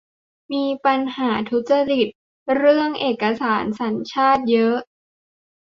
มีปัญหาทุจริตเรื่องเอกสารสัญชาติเยอะ